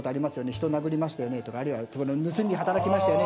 「人を殴りましたよね」とかあるいは「盗み働きましたよね」。